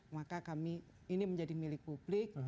maka kami ini menjadi milik publik